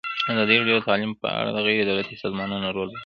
ازادي راډیو د تعلیم په اړه د غیر دولتي سازمانونو رول بیان کړی.